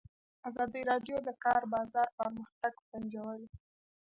ازادي راډیو د د کار بازار پرمختګ سنجولی.